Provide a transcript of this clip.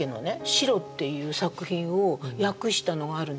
「白」っていう作品を訳したのがあるんですよ。